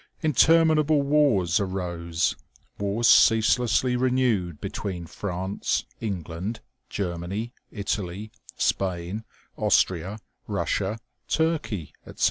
Interminable wars arose, wars ceaselessly renewed, between France, England, Germany, Italy, Spain, Austria, Russia, Turkey, etc.